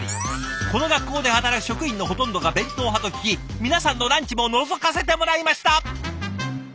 この学校で働く職員のほとんどが弁当派と聞き皆さんのランチものぞかせてもらいました！